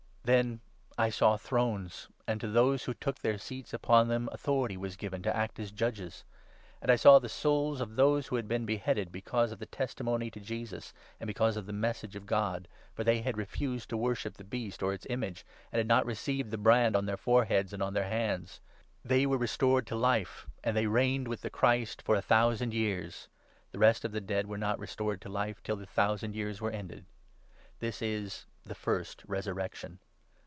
Then I saw thrones, and to those who took their seats 4 upon them authority was given to act as judges. And I saw the souls of those who had been beheaded because of the testimony to Jesus and because of the Message of God, for they had refused to worship the Beast or its image, and had not received the brand on their foreheads and on their hands. They were restored to life, and they reigned with the Christ for a thousand years. (The rest of the dead were not 5 restored to life till the thousand years were ended.) This is the First Resurrection.